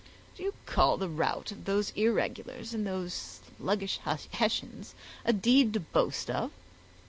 "Do you call the rout of those irregulars and these sluggish Hessians a deed to boast of?"